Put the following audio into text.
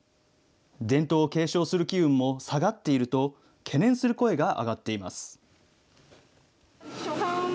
伝統を継承する機運も下がっていると懸念する声が上がっています。